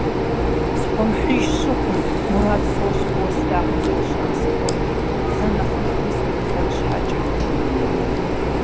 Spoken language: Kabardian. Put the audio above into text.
Схуэмыхьыж щыхъум, мурад сощӀ фӀыуэ слъагъур здэщыӀэм сыкӀуэну, зэ нэхъ мыхъуми сыӀуплъэн щхьэкӀэ.